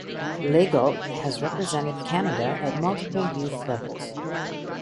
Legault has represented Canada at multiple youth levels.